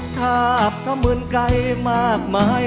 ทาบทะเมืองไกลมากมาย